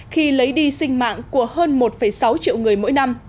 khi lấy đi sinh mạng của hơn một sáu triệu người mỗi năm